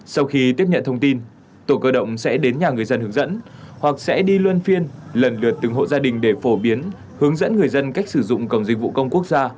sau khi tiếp nhận thông tin tổ cơ động sẽ đến nhà người dân hướng dẫn hoặc sẽ đi luân phiên lần lượt từng hộ gia đình để phổ biến hướng dẫn người dân cách sử dụng cổng dịch vụ công quốc gia